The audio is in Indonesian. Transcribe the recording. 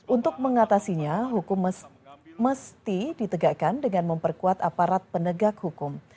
untuk mengatasinya hukum mesti ditegakkan dengan memperkuat aparat penegak hukum